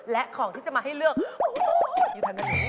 และของที่จะมาให้เลือกอยู่ทางด้านนี้